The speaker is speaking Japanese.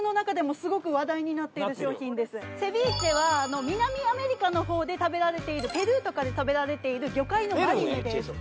セビーチェは南アメリカのほうで食べられているペルーとかで食べられている魚介のマリネです。